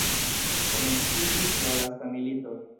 Komenciĝis la lasta milito.